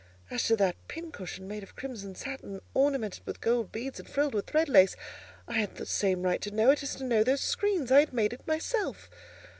As to that pincushion made of crimson satin, ornamented with gold beads and frilled with thread lace, I had the same right to know it as to know the screens—I had made it myself.